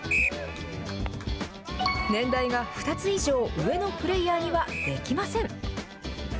年代が２つ以上、上のプレーヤーには、できません。